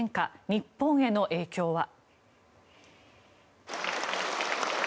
日本への影響は。